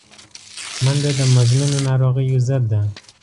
منډه د مزمنو ناروغیو ضد ده